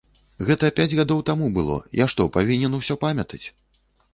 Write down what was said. Гэта пяць гадоў таму было, я што, павінен усё памятаць?